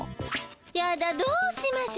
やだどうしましょ。